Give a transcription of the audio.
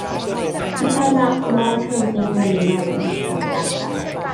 Hinsawdd Môr y Canoldir Dwyreiniol yw hinsawdd yr ardal.